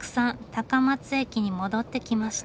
高松駅に戻ってきました。